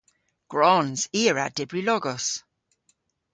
Gwrons. I a wra dybri logos.